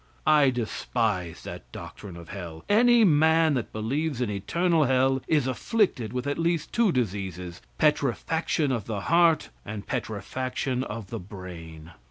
I despise that doctrine of hell! Any man that believes in eternal hell is afflicted with at least two diseases petrifaction of the heart and petrifaction of the brain.